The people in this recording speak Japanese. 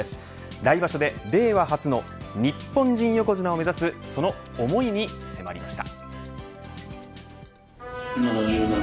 来場所で令和初の日本人横綱を目指すその思いに迫りました。